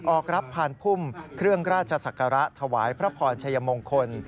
ออกรับผ่านพุ่มเครื่องราชศักระถวายพระพรชัยมงคล